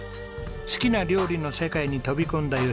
好きな料理の世界に飛び込んだ吉美さん。